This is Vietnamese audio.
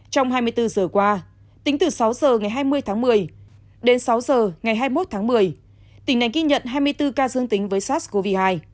trong hai mươi bốn giờ qua tính từ sáu giờ ngày hai mươi tháng một mươi đến sáu giờ ngày hai mươi một tháng một mươi tỉnh này ghi nhận hai mươi bốn ca dương tính với sars cov hai